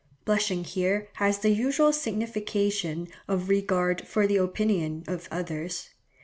Blushing here has the usual signification of regard for the opinion of others.